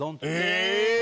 へえ！